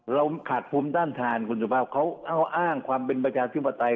เราขาดภูมิต้านทานคุณสุภาพเขาอ้างความเป็นประชาธิปไตย